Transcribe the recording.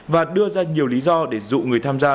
và đưa ra nhiều lý do để dụ người tham gia